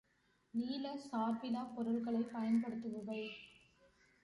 நீளச் சார்பிலாப் பொருள்களைப் பயன்படுத்துபவை.